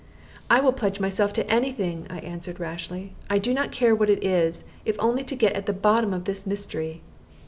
"I will pledge myself to any thing," I answered, rashly; "I do not care what it is, if only to get at the bottom of this mystery."